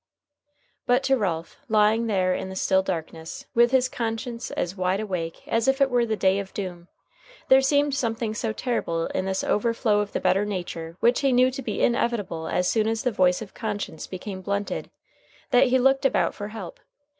But to Ralph, lying there in the still darkness, with his conscience as wide awake as if it were the Day of Doom, there seemed something so terrible in this overflow of the better nature which he knew to be inevitable as soon as the voice of conscience became blunted, that he looked about for help.